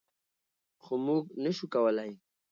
خو موږ نشو کولی.